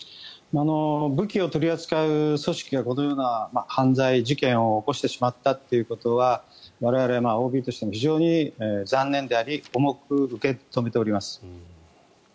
武器を取り扱う組織がこのような犯罪、事件を起こしてしまったということは我々ＯＢとしても非常に残念であり重く受け止めております。